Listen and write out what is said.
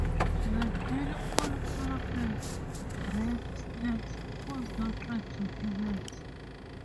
Like nearly all colubrids, rat snakes pose no threat to humans.